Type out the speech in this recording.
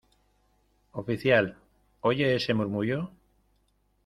oficial, ¿ oye ese murmullo?